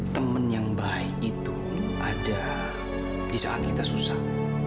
teman yang baik itu ada di saat kita susah